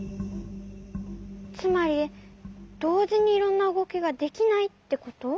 つまりどうじにいろんなうごきができないってこと？